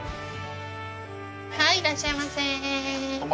はいいらっしゃいませ！